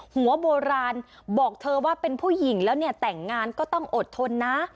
หัวโบราณบอกเธอว่าเป็นผู้หญิงแล้วเนี่ยแต่งงานก็ต้องอดทนนะ